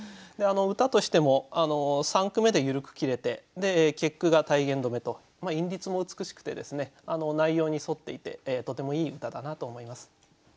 歌としても三句目で緩く切れて結句が体言止めと韻律も美しくて内容に沿っていてとてもいい歌だなと思います。